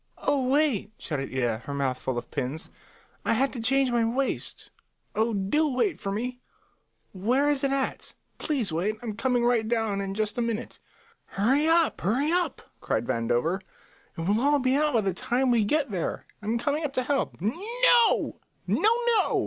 "Oh, wait!" shouted Ida, her mouth full of pins. "I had to change my waist. Oh, do wait for me. Where is it at? Please wait; I'm coming right down in just a minute." "Hurry up, hurry up!" cried Vandover. "It will be all out by the time we get there. I'm coming up to help." "No, no, no!"